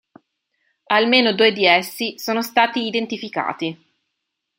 Almeno due di essi sono stati identificati.